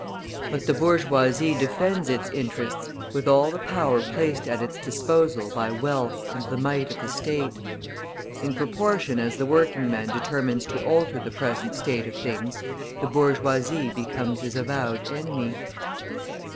But the bourgeoisie defends its interests with all the power placed at its disposal by wealth and the might of the State. In proportion as the working man determines to alter the present state of things, the bourgeois becomes his avowed enemy.